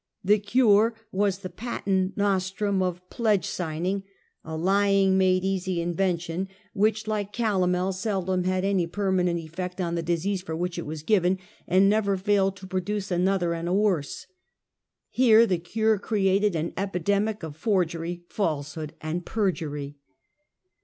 The cure was the patent nostrum of pledge signing, a lying made easy invention, which 148 Half a Centuet. like calomel, seldom had anj pei'manent effect ou the desease for which it was given, and never failed to produce another and a worse. Here the cure created an epidemic of forgery, falsehood and perjury.